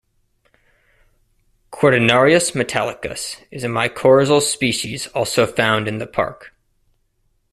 "Cortinarius metallicus" is a mycorrhizal species also found in the park.